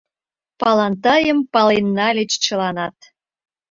Палантайым Пален нальыч чыланат.